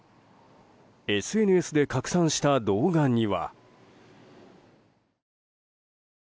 ＳＮＳで拡散した動画には。